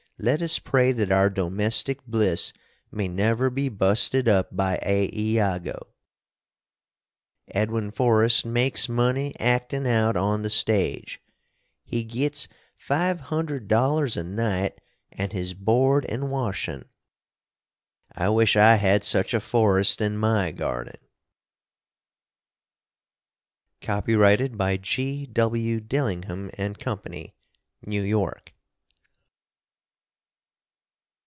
let us pray that our domestic bliss may never be busted up by a Iago! Edwin Forrest makes money actin out on the stage. He gits five hundred dollars a nite & his board & washin. I wish I had such a Forrest in my Garding! Copyrighted by G.W. Dillingham and Company, New York.